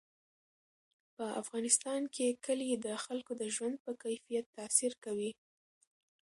په افغانستان کې کلي د خلکو د ژوند په کیفیت تاثیر کوي.